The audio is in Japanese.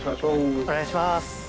お願いします。